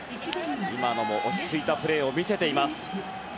今のも落ち着いたプレーを見せています。